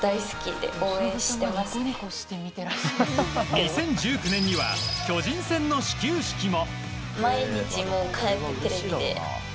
２０１９年には巨人戦の始球式も。